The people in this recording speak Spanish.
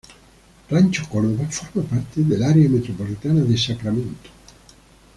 Rancho Cordova forma parte del área metropolitana de Sacramento.